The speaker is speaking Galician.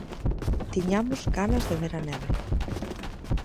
Tiñamos ganas de ver a neve.